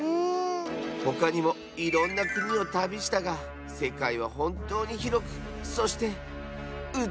ほかにもいろんなくにをたびしたがせかいはほんとうにひろくそしてうつくしかった！